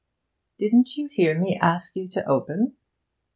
'Didn't you hear me ask you to open?'